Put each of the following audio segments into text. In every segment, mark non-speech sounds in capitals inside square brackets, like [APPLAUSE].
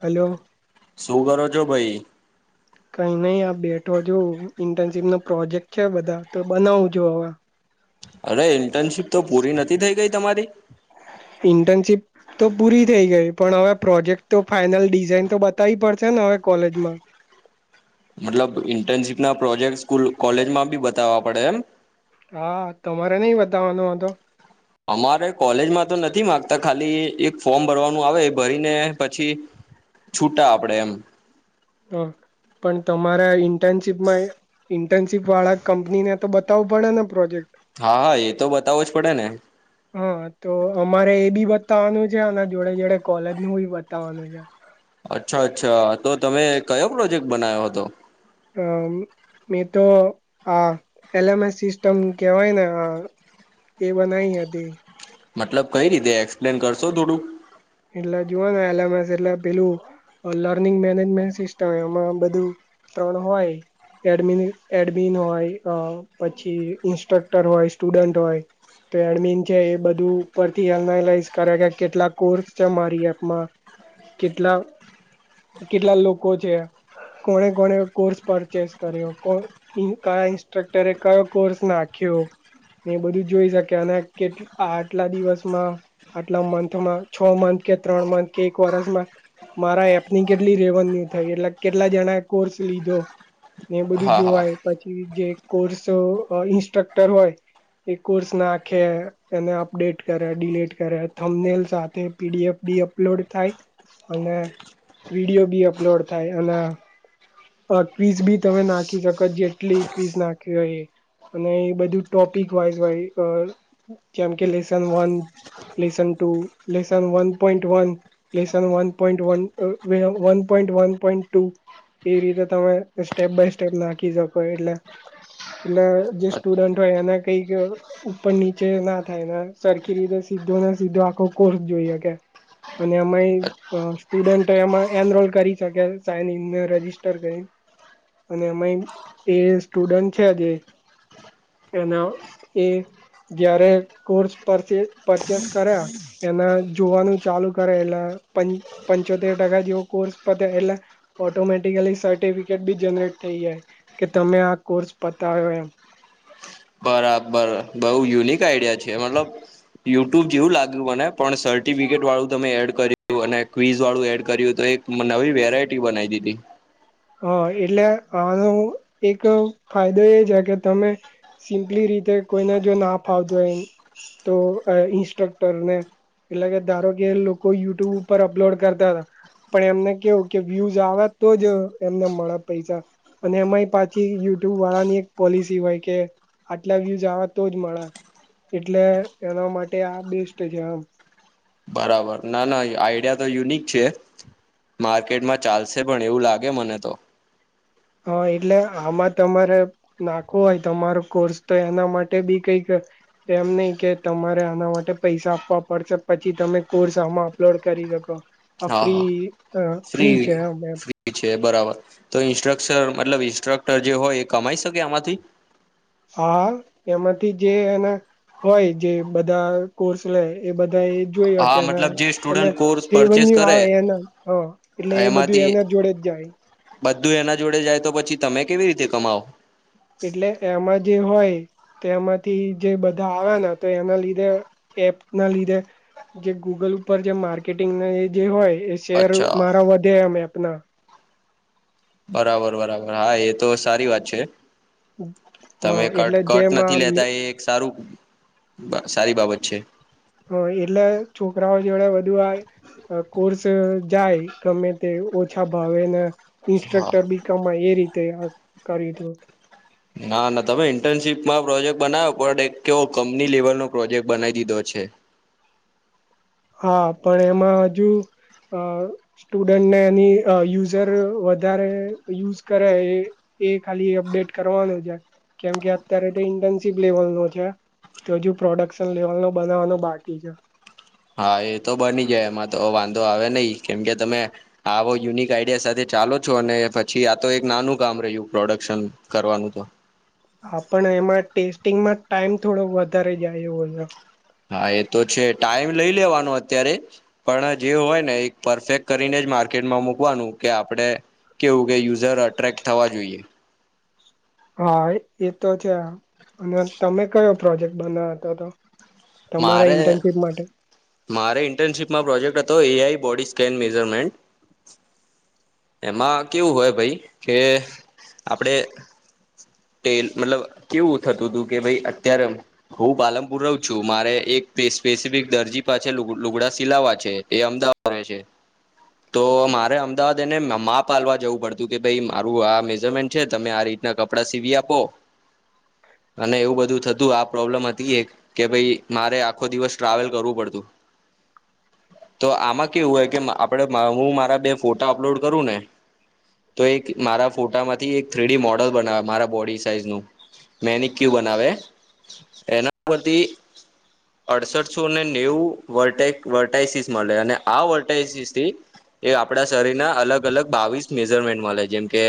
Hello. શું કરો છો ભાઈ? કઈ નહી આ બેઠો જો ઇન્ટર્નશીપ નો પ્રોજેક્ટ છે બધા તો બનાવજો હવે. અરે ઇન્ટર્નશીપ તો પૂરી નથી થઈ ગઈ તમારી? ઇન્ટર્નશીપ તો પૂરી થઈ ગઈ પણ હવે પ્રોજેક્ટ તો ફાઈનલ ડિઝઇન તો બતાવી પડશે ને હવે કોલેજમાં. [INAUDIBLE] મતલબ ઇન્ટર્નશીપ ના પ્રોજેકટસ્કૂલ કોલેજમાં બી બતાવવા પડે એમ? હા તમારે નહી બતાવાનો હતો? અમારે કોલેજમાં તો નથી માંગતા. ખાલી એક ફોર્મ ભરવાનું આવે એ ભરીને પછી છૂટા આપડે એમ. હા પણ તમારે ઇન્ટર્નશીપમાં ઇન્ટર્નશીપ વાળા કંપનીને તો બતાવું પડે ને પ્રોજેક્ટ હા હા એ તો બતાવો જ પડે ને હા તો અમારે એ બી બતાવાનું છે અને જોડે જોડે કોલેજ નું બી બતાવવાનું છે. અચ્છા અચ્છા તો તમે કયો પ્રોજેક્ટ બનાવ્યો હતો? હમ. મે તો આ એલ એમ એસ સિસ્ટમ કેહેવાય ને એ બનાવી હતી. મતલબ કઈ રીતે એક્સપ્લેન કરશો થોડુંક? એટલે જોવોને એલ એમ એસ એટલે પેલું લર્નિંગ મેનેજમેન્ટ સિસ્ટમ એમાં બધું ત્રણ હોય. એડ એડમિન હોય પછી ઇન્સ્ટ્રક્ટર હોય સ્ટુડન્ટ હોય તો એડમિન છે એ બધું પરથી એનાલાઈઝ કરે કે કેટલાક કોર્સ કેટલા મારી એપમાં કેટલા કેટલા લોકો છે કોને કોને કોર્સ પરચેસ કર્યો કોણ ઇન્સ્ટ્રક્ટરે કયો કોર્સ નાખ્યો એ બધું જોઈ શકે અને કેટલા આટલા દિવસમાં આટલા મંથમાં છ મંથ કે ત્રણ મંથ કે એક વર્ષમાં મારા એપની કેટલી રેવન્યુ થઈ એટલે કેટલા જણાએ કોર્સ લીધો ને બધું હા હા જોવાય પછી જે કોર્સ ઇન્સ્ટ્રક્ટર હોય. એ કોર્સ નાખે એને અપડેટ કરે ડિલીટ કરે થમનેલ તે પીડીએફ બી અપલોડ થાય અને વિડીયો બી અપલોડ થાય અને અ ક્વીિસ બી તમે નાખી શકો જેટલી ક્વીિસ નાખીવી હોય એ. અને એ બધું ટોપિક વાઇઝહોય જેમ કે lesson one lesson two lesson one point one lesson one point one one પો વન પોઇન્ટ ટુ એ રીતે તમે સ્ટેપ બાય સ્ટેપ નાખી શકો એટલે. એટલે જે સ્ટુડન્ટ હોય એના કઈક ઉપર નીચે ના થાય અને સરખી રીતે જોને સીધો આખો કોર્સ જોઈ એકે અને એમાં સ્ટુડન્ટ એમાં એનરોલ કરી શકે સાઈન અ એ તે સ્ટુડ છે આજે એના એ જયારે કોર્સ પરચે પરચેસ કર્યા એના જોવાનું ચાલુ કરે એટલે પંચ પંચોતેર ટકા જેવો કોર્સ પતે એટલે ઓટોમેટિક ઓટોમેટિકલી સર્ટિફિકેટ બી જનરેટ થઈ જાય કે તમે આ કોર્સ પતાવ્યો એમ બરાબર બઉ યુનિક આઈડિયા છે મતલબ યુટ્યુબ જેવું લાગ્યું મને પણ સર્ટિ સર્ટીફીકેટ વાળું તમે એડ કર્યું અને કવીઝ વાળું એડ કર્યું તો એક નવી વેરાયટી બનાવી દીધી હા એટલે આનો એક ફાયદો એ છે કે તમે સિમ્પલી રીતે કોઈને જો ના ફાવતું હોય એ તો ઇન્સ્ટ્રક્ટરને એટલે કે ધારો કે લોકો યુટ્યુબ ઉપર અપલોડ કરતા હતા પણ એમને કેવું કે વ્યુઝ આવે તો જ એમને મળે પૈસા અને એમાંય પાછી યુટ્યુબ વાળા ની એક પોલિસી હોય કે આટલા વ્યુઝ આવે તો જ મળે એટલે એના માટે આ બેસ્ટ છે આમ બરાબર ના ના આઈડિયા તો યુનિક છે માર્કેટમાં ચાલશે પણ એવું લાગે મને તો હા, એટલે હામા તમારે નાખવું હોય તમારો કોર્સ તો એના માટે બી કઈક એમ નહી કે તમારે આના માટે પૈસા આપવા પડશે પછી તમે કોર્સ આમાં અપલોડ કરી [INAUDIBLE] હા હા અફ્રી અ-ફ્રી ફ્રી છે અમ- અમ ફ્રી છે બરાબર, તો ઇન્સ્ટ્રકસર મતલબ ઇન્સ્ટ્રક્ટર જે હોય એ કમાઈ શકે આમાંથી? હા. એમાંથી જે એના હોય જે બધા કોર્સ લેય એ બદ બધએ જોયયા હા કેના મતલબ જે એને સ્ટુડન્ટ કોર્સ તે પરચેસ બન્યું કરે આવે એના હ એટલે એ બધું એમાંથી એના જો જોડે જ જાય બધું એના જોડે જાય તો પછી તમે કેવી રીતે કમાવ? એટલે એમાં જે હોય તેમાંથી જે બધા આવેને તે એના લીધે એપ ના લીધે જે ગૂગલ ઉપર જે માર્કેટિંગને જે હોય એ શેર અચ્છા મારા વધે એમ એપના બરાબર બરાબર હા એ તો સારી વાત છે. તમે હ કટ એટલે કટ નથી જેમાં લેતા એ એક સારું બ-સારી બાબત છે. હ એટલે છોકરાઓ જોડે વધુ આય-અ કોર્સ જાય ગમે તે ઓછા ભાવેન હા ઇન્સ્ટ્રક્ટર બી કમાય એ રીતે હ-કરીદુ ના ના તમે ઇન્ટર્નશીપમાં પ્રોજેક્ટ બનાયો પણ એક કેવ કંપની લેવલનો પ્રોજેક્ટ બનાઈ દીધો છે. હા પણ એમાં હજુ અ-સ્ટુડન્ટને એની અ-વધારે યુઝ કરે એ એ ખાલી અપડેટ કરવાનું છે, કેમકે અત્યારે તો ઇન્ટર્નશીપ લેવલનો છે. તો હજુ પ્રોડક્શન લેવલનો બનાવાનો બાકી છે. હા એ તો બની જાય એમાં તો વાંધો આવે નઈ કેમ કે તમે આવો યુનિક આઈડિયા સાથે ચા લો છો અને પછી આ તો એક નાનું કામ રહ્યું પ્રોડક્શન કરવાનું તો હા પણ એમાં ટેસ્ટિંગમાં ટાઈમ થોડો વધારે જાયો હો [INAUDIBLE] હા એ તો છે ટાઈમ લઈ લેવાનો અત્યારે પણ જે હોય ને એક પરફેક્ટ કરીને જ મા માર્કેટમાં મુકવાનુ કે આપણે કેવું કે યુઝર અટ્રેક્ટ થવા જોઈએ. હા એત-એતો છે અને તમે કયો પ્રોજેક્ટ બના તો-તો મારે મારે ઇન્ટર્નશીપમા પ્રોજેક્ટ હતો એ આઈ બોડીસ કેનમેજરમેન્ટ એમાં કેવું હોય ભઈ કે આપડે તે મતલબ કેવું થતું-તું કે ભઈ અત્યારે હું પાલનપુર રહું છું મારે એ તે સ્પેસિફિક દરજી પાછળ લુગ-લુગડા સિલાવા છે એ અમદાવાદ રેય છે. તો મારે અમદાવાદ તેને ન માપ આલવા જવું પડતું કે ભઈ મારું આ મેજરમેન્ટ છે તમે આ રીતના કપડાં સીવી આપો. [INAUDIBLE] અને એવું બધું થતું આ પ્રોબ્લેમ હતી એક કે ભઈ મારે આખો દિવસ ટ્રાવેલ કરવું પડતું. [INAUDIBLE] તો આમાં કેવું હોય કે મ-આપડે-મ-હું મારા બે ફોટા અપલોડ કરું ને તો એક મારા ફોટામાંથી એક થ્રીડી મોડલ બનાવે મારા બોડી સાઈઝ નું. મેનીક્યુ બનાવે. એના પરથી અડસઠસો ને નેવું વર્ટ-વર્ટઇસીસ મળે અને આ વર્ટઇસીસ થી એ આપણા શરીરના અલગ અલગ બાવીસ મેજરમેન્ટ મલે જેમ કે,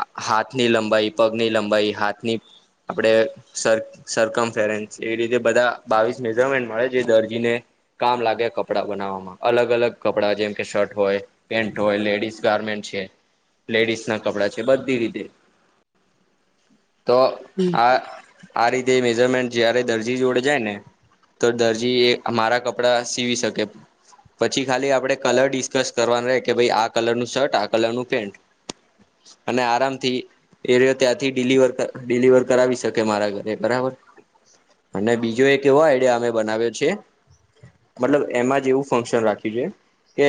આ- હાથની લંબાઈ, પગની લંબાઈ, હાથની આપડે સર-સરકમ ફેરેન્સ એ રીતે બધા બાવીસ મેજરમેન્ટ મળે જે દર્જીને કામ લાગે કપડાં બનાવવામાં. અલગ અલગ કપડાં જેમ કે શર્ટ હોય પેન્ટ હોય, લેડીસ ગાર્મેન્ટ છે. લેડીસ ના કપડા છે. બધી રીતે - [INAUDIBLE] તો હમ આ-આ રીતે મેજરમેન્ટ જયારે દર્જી જોડે જાય ને તો દરજી એ અમારા કપડા સીવી શકે. પછી ખાલી આપડે કલર ડિસ્કસ કરવાનું હે કે ભાઈ આ કલર નું શર્ટ આ કલર નું પેન્ટ અને આરામ થી એ રહ્યો ત્યાંથી ડિલિવર ડીલિવર કરાવી શકે મારા ઘરે બરાબર અને બીજો એક એવો આઈ. ડિ. યા. અમે બનાવ્યો છે મતલબ એમાં જ એવું ફંક્શન રાખ્યું છે કે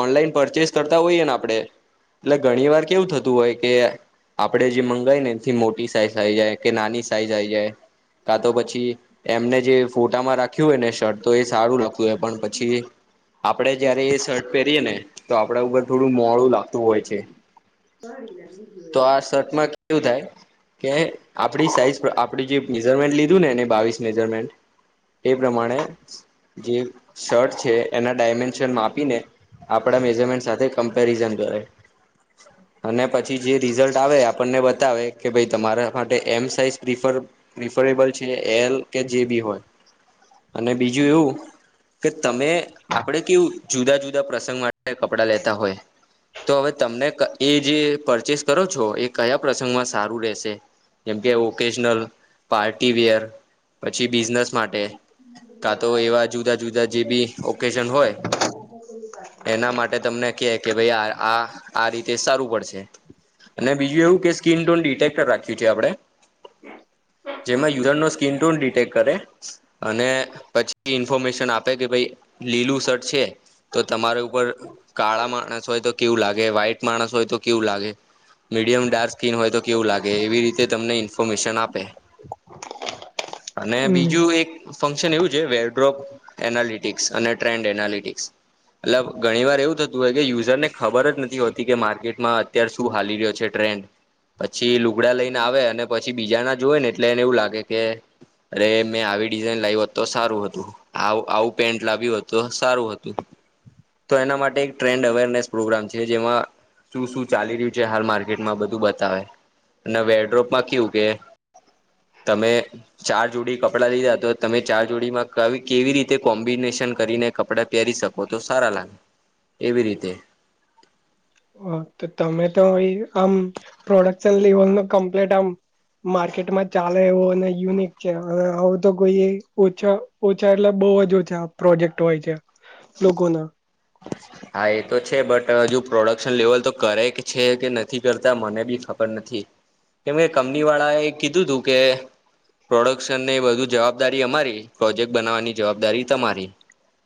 ઓનલાઈન પરચેસ કરતા હોઈએ ને આપડે એટલે ઘણી વાર કેવું થતું હોય કે આપડે જે મંગાય ને એથી મોટી સાઈઝ આઈ જાય કે નાની સાઈઝ આઈ જાય કા તો પછી એમને જે ફોટામાં રાખ્યું હોય ને શર્ટ તો એ સારું લગતું હોય પણ પછી આપડે જયારે એ શર્ટ પહેરીએ ને તો આપડા ઉપર થોડું મોળું લાગ તું હોય છે, તો આ શર્ટમાં કેવું થાય કે આપડી સાઈઝ આપડી જે મેજરમેન્ટ લીધું ને એને બાવીસ મેજરમેન્ટ એ પ્રમાણે જે શર્ટ છે એના ડાયમેન્શન માપીને આપડા મેજરમેન્ટ સાથે કમ્પેરિઝન કરે. [INAUDIBLE] અને પછી જે રિઝલ્ટ આવે આપણને બતાવે કે ભાઈ તમારા માટે એમ સાઇઝ પ્રિફર પ્રિફ રેબલ છે એમ કે જે બી હોય. અને બીજું એવું કે તમે આપડે કેવું જુદા જુ દા પ્રસંગ માટે કપડાં લેતા હોય. તો હવે તમને એ જે પરચેસ કરો છો એ કયા પ્રસંગમાં સારું રેશે જેમ કે વોકેશનલ પાર્ટી વેર પછી બિઝનેસ માટે કા તો એવા જુદા જુદા જે બી ઓકેજન હોય એના માટે તમને કે કે ભાઈ આ આ આ રીતે સારું પડશે. અને બીજું એવું કે સ્કીિન ટોન ડિટેક્ટર રાખ્યું છે આપડે [INAUDIBLE] જેમાં યુરાન નો સ્કીિન ટોન ડિટેક્ટ કરે અને પછી ઇન્ફોર્મેશન આપે કે ભઈ લીલું શર્ટ છે તો તમારા ઉપર કાળા માણસ હોય તો કેવું લાગે વ્હાઈટ માણસ હોય તો કેવું લાગે મીડિયમ ડાર્ક સ્કીિન હોય તો કેવું લાગે એવી રીતે તમને ઇન્ફોર્મેશન આપે. [INAUDIBLE] અને હમ બીજું એક ફંક્શન એવું છે વેરડ્રોપ એનાલિટિક્સ અને ટ્રેન્ડ એનાલિટિક્સ. એટલે ઘણી વાર એવું થતું હોય કે યુઝર ને ખબર જ નથી હોતી કે માર્કેટમાં અત્યારે શું હાલી રહ્યો છે ટ્રેન્ડ પછી લુગડા લઈને આવે અને પછી બીજા ના જોએ ને એટલે એને એવું લાગે કે અરે મેં આવી ડિઝાઇન લાઈ હોત તો સારું હતું આવું પેન્ટ લાવ્યું હોત તો સારું હતું. તો એના માટે એક ટ્રેન્ડ અવેરનેસ પ્રોગ્રામ છે જેમાં શું શું ચાલી રહ્યું છે હાલ માર્કેટમાં બધું બતાવે. અને વેરડ્રોપ માં કેવું કે તમે ચાર જોડી કપડા લીધા તો તમે ચાર જોડીમાં કવિ કેવી રીતે કોમ્બિનેશ ન કરીને કપડા પહેરી શકો તો સારા લાગ એવી રીતે. ઓ તો તમે તો આમ પ્રોડક્શન લેવલ નું કમ્પ્લેટ આમ માર્કેટમાં ચાલે એવું અને યુનિક છે આવું તો કોઈ ઓછા ઓછા એટલે બહું જ ઓછા પ્રોજેક્ટ હોય છે લોકોના. હા એ તો છે બટ હજુ પ્રોડક્શન લેવલ તો કરે કે છે કે નથી કરતા મને બી ખબર નથ થી કેમ કે કમની વાળા એ કીધું તું કે પ્રોડક્શન ને બધુ જવાબદારી અમારી પ્રોજેક્ટ બનાવવાની જવાબદારી તમારી.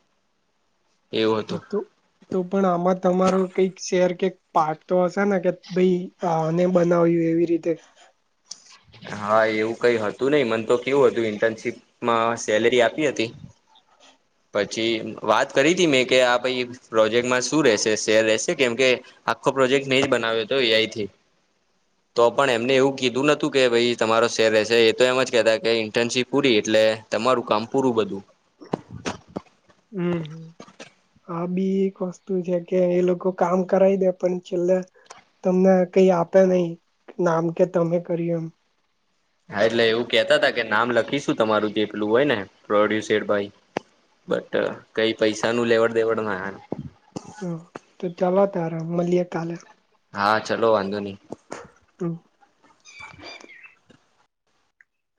[INAUDIBLE] એવું હા, હતું. તો તો પણ આમાં તમારો કઈક શેર કે પાર્ટ તો હશે ને કે ભઈ આને બનાવ્યું એવી રીતે. હા એવું કઈ હતું નઈ મને તો કેવું હતું ઇન્ટર્નશીપમાં સેલરી આપી હતી [INAUDIBLE] પછી વાત કરી હતી મેં કે આ પાઈ પ્રોજેક્ટમાં શું રહેશે શેર રહેશે કેમ કે આખો જેક નહી બનાવ્યો હતો એઈથી તો પણ એમને એવું કીધું નથી કે ભાઈ તમારો શેર રહેશે એ તો એમ જ કેતા કે ઇન્ટર્નશીપ પૂરી એટલે તમારું કામ પૂરું બધું હા બી એક વસ્તુ છે કે એ લોકો કામ કરાઈ દે પણ છેલ્લે તમને કઈ આપે નહી નામ કે તમે કર્યું એમ. હા એટલે એવું કેતા હતા કે નામ લખીશું તમારું જે પેલું હોય ને પ્રોડ્યુસ ભાઈ. બટ કઈ પૈસા નું લેવડ દેવડ ના. ત મલ્યે કાલે. હા ચાલલો વાંધો નહી. હમ.